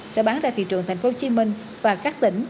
sẽ bán ra thị trường tp hcm và các tỉnh